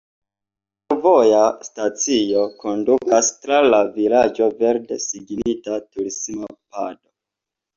De la fervoja stacio kondukas tra la vilaĝo verde signita turisma pado.